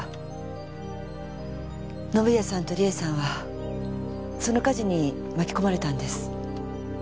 宣也さんと理恵さんはその火事に巻き込まれたんです。